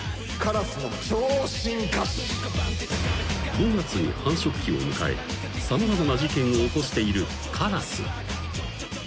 ［５月に繁殖期を迎え様々な事件を起こしているカラス］